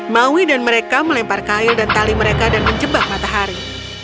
maui dan mereka melempar kail dan tali mereka dan menjebak matahari